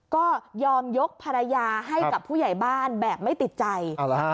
ก็ยอมยกภรรยาให้กับผู้ใหญ่บ้านแบบไม่ติดใจ